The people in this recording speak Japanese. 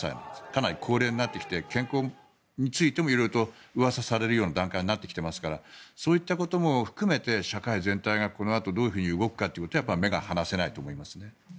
かなり高齢になってきて健康についても色々とうわさされるような段階になってきていますからそういったことも含めて社会全体がこのあと、どういうふうに動くかっていうのは目が離せないと思います。